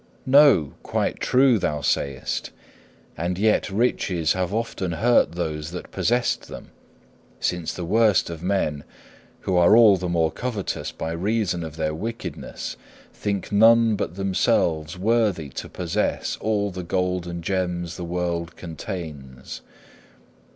No, quite true, thou sayest. And yet riches have often hurt those that possessed them, since the worst of men, who are all the more covetous by reason of their wickedness, think none but themselves worthy to possess all the gold and gems the world contains.